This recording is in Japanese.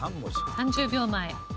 ３０秒前。